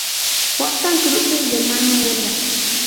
Portan cruces de mano negra.